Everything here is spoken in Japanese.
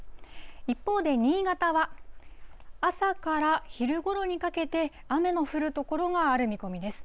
一方で新潟は、朝から昼ごろにかけて、雨の降る所がある見込みです。